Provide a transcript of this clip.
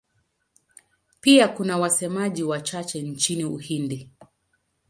Pia kuna wasemaji wachache nchini Uhindi.